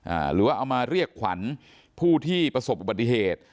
หรือว่าเอามาเรียกขวัญผู้ที่ประสบอุบัติเหตุ